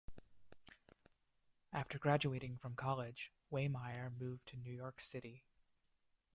After graduating from college, Waymire moved to New York City.